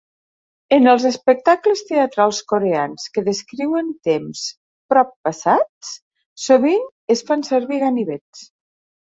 En els espectacles teatrals coreans que descriuen temps proppassats, sovint es fan servir ganivets.